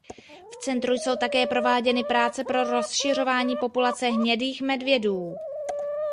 V centru jsou také prováděny práce pro rozšiřování populace hnědých medvědů.